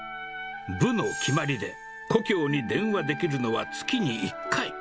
部の決まりで、故郷に電話できるのは月に１回。